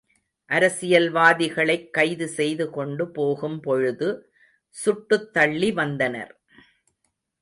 அரசியல்வாதிகளைக் கைதுசெய்து கொண்டு போகும் பொழுது சுட்டுத்தள்ளி வந்தனர்.